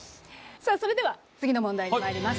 さあそれでは次の問題にまいります。